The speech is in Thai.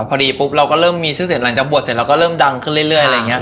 พอดีปุ๊บเราก็เริ่มมีชื่อเสียงหลังจากบวชเสียงเราก็เริ่มดังขึ้นเรื่อย